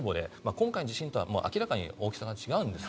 今回の地震とは明らかに大きさが違います。